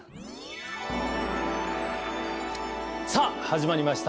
さあ始まりました！